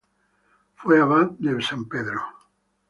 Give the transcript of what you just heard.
Fue abad de San Pedro.